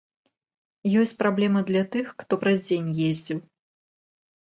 Ёсць праблема для тых, хто праз дзень ездзіў.